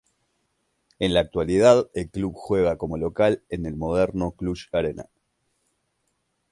En la actualidad el club juega como local en el moderno Cluj Arena.